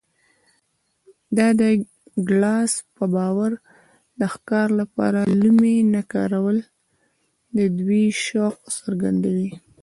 د ډاګلاس په باور د ښکار لپاره لومې نه کارول د دوی شوق څرګندوي